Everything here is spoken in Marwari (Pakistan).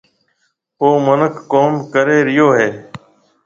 او مِنک ڪوم ڪري ريو هيَ۔